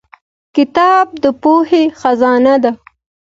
• کتاب د پوهې خزانه ده.